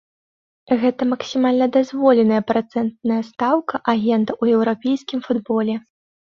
Гэта максімальна дазволеная працэнтная стаўка агента ў еўрапейскім футболе.